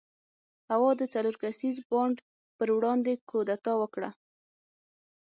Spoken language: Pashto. هوا د څلور کسیز بانډ پر وړاندې کودتا وکړه.